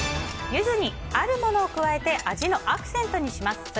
ユズにあるものを加えて味のアクセントにします。